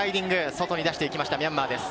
外に出していきました、ミャンマーです。